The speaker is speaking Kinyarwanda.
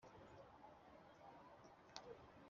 amarembo ari imirambo